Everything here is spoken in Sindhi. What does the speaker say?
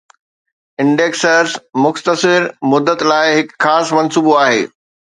Indexers مختصر مدت لاء هڪ خاص منصوبو آهي